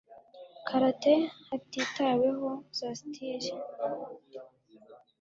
karate hatitaweho za styles